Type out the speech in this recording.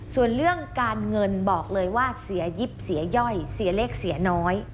ส่วนเรื่องการเงินบอกเลยว่าเสียยิบเสียย่อยเสียเลขเสียน้อย